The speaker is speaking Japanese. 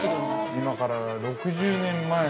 ◆今から６０年前の。